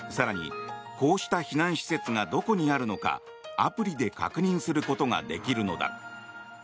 更にこうした避難施設がどこにあるのかアプリで確認することができるのだ。